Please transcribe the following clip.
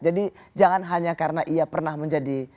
jangan hanya karena ia pernah menjadi